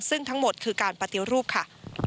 ซึ่งทั้งหมดคือการปฏิรูปค่ะ